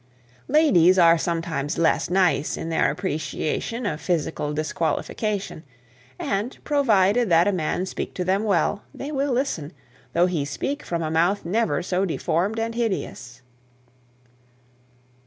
Ladies are sometimes less nice in their appreciation of physical disqualification; and, provided that a man speak to them well, they will listen, though he speak from a mouth never so deformed and hideous.